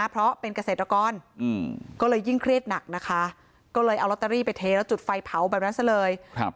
เพราะเป็นเกษตรกรก็เลยยิ่งเครียดหนักนะคะก็เลยเอาลอตเตอรี่ไปเทแล้วจุดไฟเผาแบบนั้นซะเลย